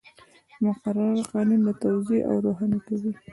مقرره قانون توضیح او روښانه کوي.